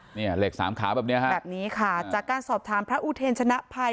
เนี่ยเหล็กสามขาแบบเนี้ยฮะแบบนี้ค่ะจากการสอบถามพระอุเทรชนะภัย